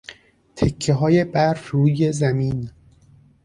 تکههای برف روی زمین